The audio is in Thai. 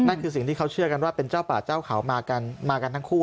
คือสิ่งที่เขาเชื่อกันว่าเป็นเจ้าป่าเจ้าเขามากันมากันทั้งคู่